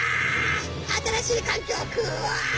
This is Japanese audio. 新しい環境クワ！